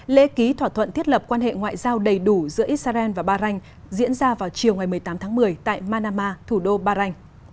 lễ ký thỏa thuận thiết lập quan hệ ngoại giao đầy đủ giữa israel và bahrain diễn ra vào chiều ngày một mươi tám tháng một mươi tại manama thủ đô bahrain